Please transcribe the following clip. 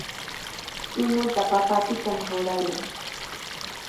Chuñutaqa papapitami rurayan.